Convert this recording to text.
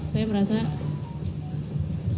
saya merasa saya tidak berhasil